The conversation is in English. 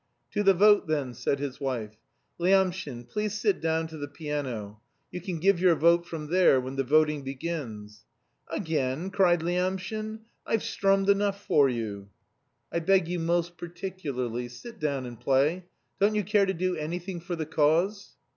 "To the vote then," said his wife. "Lyamshin, please sit down to the piano; you can give your vote from there when the voting begins." "Again!" cried Lyamshin. "I've strummed enough for you." "I beg you most particularly, sit down and play. Don't you care to do anything for the cause?"